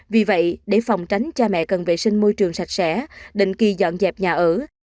vì vậy để phòng tránh cha mẹ cần vệ sinh môi trường sạch sẽ định kỳ dọn dẹp nhà ở